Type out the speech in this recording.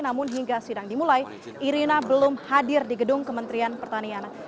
namun hingga sidang dimulai irina belum hadir di gedung kementerian pertanian